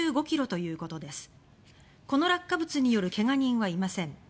この落下物によるけが人はいません。